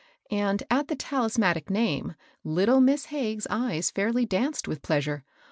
and at the talismanic name, little Miss Hagges's eyes fidrly danced with pleasure.